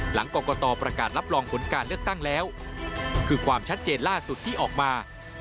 หลังกรกตประกาศรับรองผลการเลือกตั้งแล้วคือความชัดเจนล่าสุดที่ออกมา